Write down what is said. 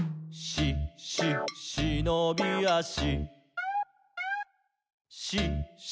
「し・し・しのびあし」